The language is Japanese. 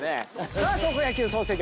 さあ高校野球総選挙